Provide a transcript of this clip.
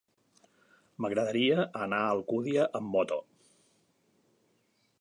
M'agradaria anar a Alcúdia amb moto.